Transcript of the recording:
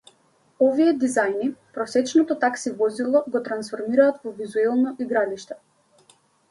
Овие дизајни, просечното такси возило го трансформираат во визуелно игралиште.